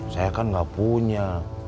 saya kan enggak punya